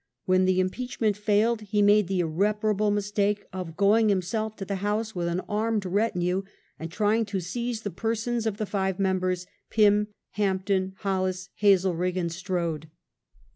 When the impeachment failed he made the irreparable mistake of going himself to the House with an armed retinue and trying to seize the persons of the "five members", Pym, Hampden, Holies, Hazelrigg, and Strode.